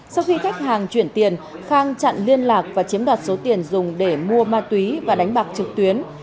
sau khi khách hàng chuyển tiền khang chặn liên lạc và chiếm đoạt số tiền dùng để mua ma túy và đánh bạc trực tuyến